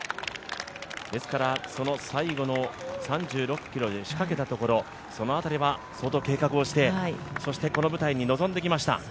ですから最後の３６ｋｍで仕掛けたところ、その辺りは相当計画してこの舞台に臨んできました。